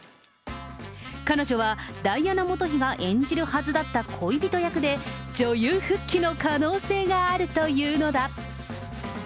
彼女はダイアナ元妃が演じるはずだった恋人役で、女優復帰の可能性があるというのだ。